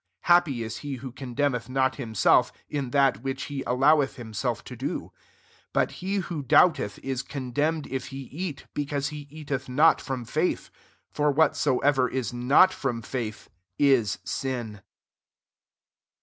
flappy h he who condemneth 90t himself, in that which he ilioweth hifMclf to do. 23 But jie who doubteth is condemned f he eat» because he eateth not Irom £aith; for whatsoever i» ^t from ^Eiith is sin.